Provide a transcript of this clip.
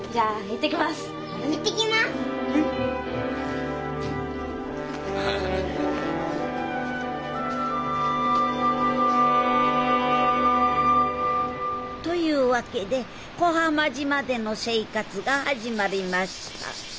行ってきます！というわけで小浜島での生活が始まりました。